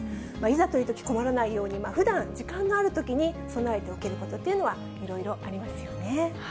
いざというとき困らないように、ふだん、時間のあるときに備えておけることというのは、いろいろありますよね。